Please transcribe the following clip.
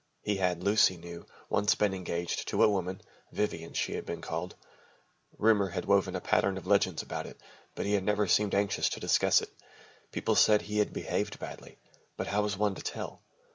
He had, Lucy knew, once been engaged to a woman Vivian, she had been called rumour had woven a pattern of legends about it, but he had never seemed anxious to discuss it. People said he had behaved badly but how was one to tell?